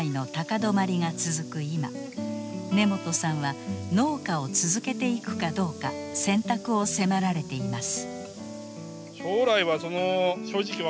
今根本さんは農家を続けていくかどうか選択を迫られています。